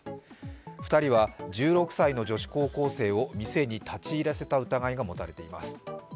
２人は１６歳の女子高校生を店に立ち入らせた疑いが持たれています。